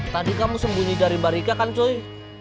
tadi kamu sembunyi dari mbak rika kan coy